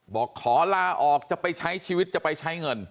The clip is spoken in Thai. บอกขอลาออกจะไปใช้ชีวิตจะไปใช้เงิน